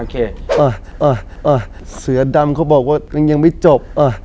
โอเคอ่าอ่าอ่าเสือดำเขาบอกว่ามันยังไม่จบอ่า